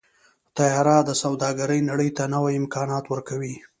طیاره د سوداګرۍ نړۍ ته نوي امکانات ورکوي.